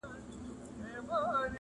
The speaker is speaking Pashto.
• یا به ګوربت غوندي اسمان ته ختی -